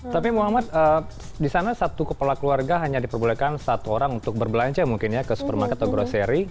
tapi muhammad di sana satu kepala keluarga hanya diperbolehkan satu orang untuk berbelanja mungkin ya ke supermarket atau grocery